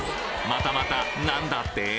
またまた何だって？